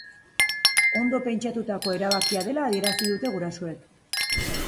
Ondo pentsatutako erabakia dela adierazi dute gurasoek.